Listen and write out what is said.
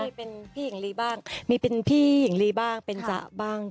มีเป็นพี่หญิงลีบ้างมีเป็นพี่หญิงลีบ้างเป็นจ๊ะบ้าง